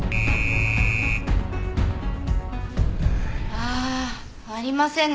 ああありませんね